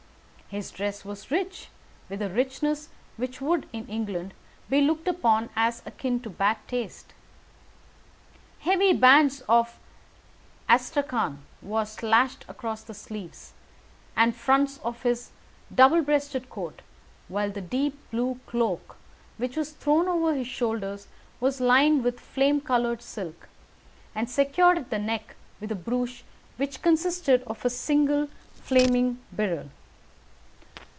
His dress was rich with a richness which would, in England, be looked upon as akin to bad taste. Heavy bands of astrakhan were slashed across the sleeves and front of his double breasted coat, while the deep blue cloak which was thrown over his shoulders was lined with flame coloured silk, and secured at the neck with a brooch which consisted of a single flaming beryl.